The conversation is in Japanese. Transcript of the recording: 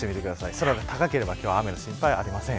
空が高ければ今日は雨の心配ありません。